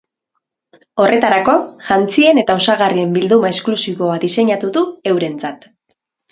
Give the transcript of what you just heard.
Horretarako, jantzien eta osagarrien bilduma esklusiboa diseinatu du eurentzat.